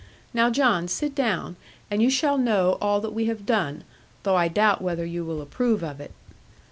Now, John, sit down, and you shall know all that we have done, though I doubt whether you will approve of it.'